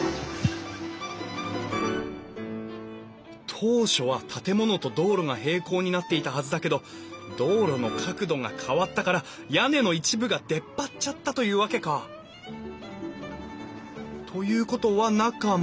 当初は建物と道路が平行になっていたはずだけど道路の角度が変わったから屋根の一部が出っ張っちゃったというわけか。ということは中も。